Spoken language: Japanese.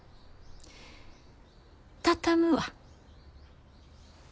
畳むわ。